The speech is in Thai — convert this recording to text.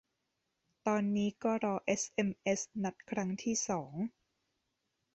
ตอนนี้ก็รอเอสเอ็มเอสนัดครั้งที่สอง